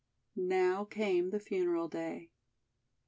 Now came the funeral day.